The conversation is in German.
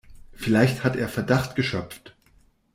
Vielleicht hat er Verdacht geschöpft.